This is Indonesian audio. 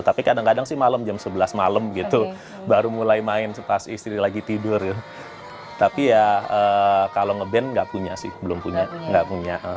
tapi kadang kadang sih malam jam sebelas malam gitu baru mulai main pas istri lagi tidur tapi ya kalau nge band nggak punya sih belum punya nggak punya